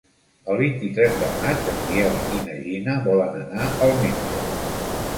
El vint-i-tres de maig en Biel i na Gina volen anar al metge.